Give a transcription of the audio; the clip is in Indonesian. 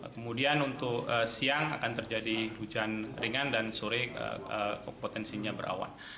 kemudian untuk siang akan terjadi hujan ringan dan sore potensinya berawan